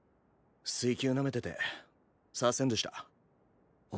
水球なめててさーせんでした。